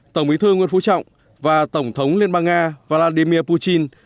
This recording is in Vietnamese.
tổng bí thư nguyễn phú trọng và tổng thống liên bang nga vladimir putin